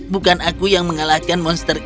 bukan aku yang mengalahkan monster